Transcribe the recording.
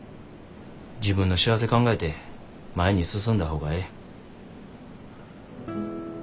自分の幸せ考えて前に進んだ方がええ。